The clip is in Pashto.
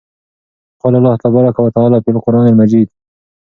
قال الله تبارك وتعالى فى القران المجيد: